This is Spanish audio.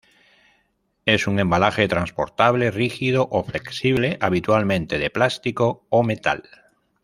Es un embalaje transportable rígido o flexible habitualmente de plástico o metal.